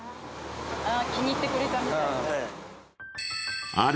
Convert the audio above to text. あぁ気に入ってくれたみたい。